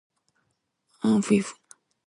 ahfuhiu